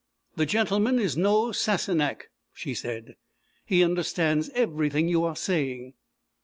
"The gentleman is no Sassenach," she said. "He understands everything you are saying."